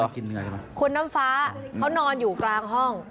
คุณน้ำฟ้าเขานอนอยู่กลางห้อง